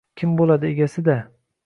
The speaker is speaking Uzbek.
— Kim bo‘ladi, egasi-da.